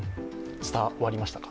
伝わりましたか？